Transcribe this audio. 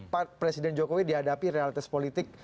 pak presiden jokowi dihadapi realitas politik